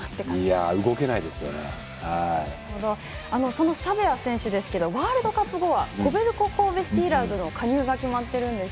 そのサベア選手ですけどワールドカップ後はコベルコ神戸スティーラーズへの加入が決まってるんですよね。